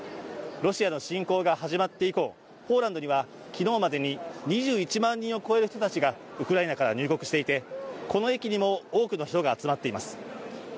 ロシアの侵攻が始まって以降ポーランドには昨日までに２１万人を超える人たちがウクライナから入国していてこの駅にも多くの人が集まっています。